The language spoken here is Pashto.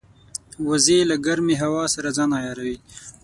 وزې له ګرمې هوا سره ځان عیاروي